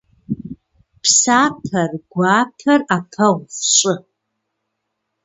Псапэр, гуапэр Iэпэгъу фщIы.